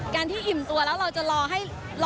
การที่อิ่มตัวแล้วเราจะรอให้